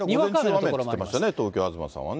午前中、雨って言ってましたよね、東京、東さんはね。